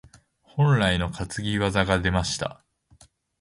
本来の担ぎ技が出ました。